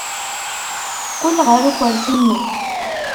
Qqel ɣer ukersi-nnem.